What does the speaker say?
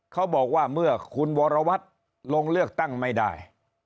เขาบอกว่าเมื่อคุณวรวัตรลงเลือกตั้งไม่ได้